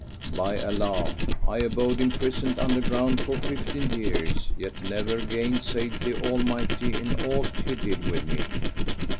By Allah, I abode imprisoned underground for fifteen years, yet never gainsaid the Almighty in aught he did with me!